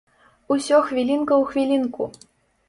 Усё хвілінка ў хвілінку!